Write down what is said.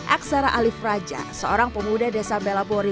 aksara alif raja seorang pemuda desa belabori